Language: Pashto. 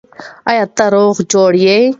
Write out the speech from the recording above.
آیا ته روغ جوړ یې؟